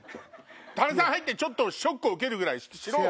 炭酸入ってちょっとショックを受けるぐらいしろ！